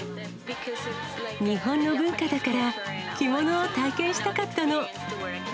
日本の文化だから、着物を体験したかったの。